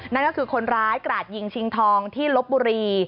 นั่นก็คือคนร้ายกราดยิงชิงทองที่ลบบุรี